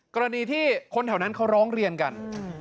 กรณีที่คนแถวนั้นเขาร้องเรียนกัน